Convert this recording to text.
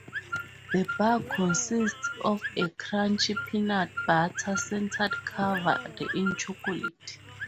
The bar consists of a crunchy peanut butter center covered in chocolate.